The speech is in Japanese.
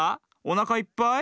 おなかいっぱい？